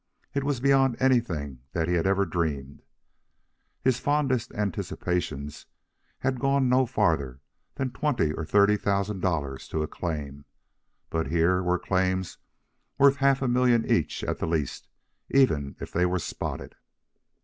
It was beyond anything that even he had dreamed. His fondest anticipation's had gone no farther than twenty or thirty thousand dollars to a claim; but here were claims worth half a million each at the least, even if they were spotted.